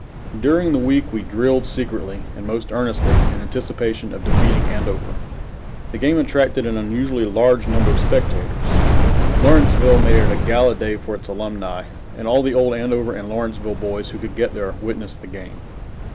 During the week we drilled secretly and most earnestly in anticipation of defeating Andover. The game attracted an unusually large number of spectators. Lawrenceville made it a gala day for its alumni, and all the old Andover and Lawrenceville boys who could get there witnessed the game.